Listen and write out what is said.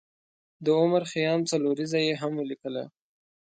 د عمر خیام څلوریځه یې هم ولیکله.